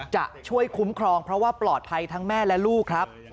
จะช่วยคุ้มครองเพราะว่าปลอดภัยทั้งแม่และลูกครับ